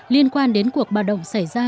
liên quan đến cuộc bạo động xảy ra